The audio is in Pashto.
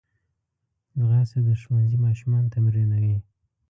ځغاسته د ښوونځي ماشومان تمرینوي